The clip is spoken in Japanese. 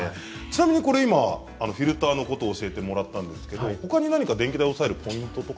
ちなみにこれ今フィルターのこと教えてもらったんですけどほかに何か電気代抑えるポイントとかってあったりしますか？